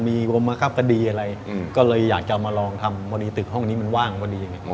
มีวมคับกดีอะไรก็เลยอยากจะมาลองทำวันนี้ตึกห้องนี้มันว่างพอดี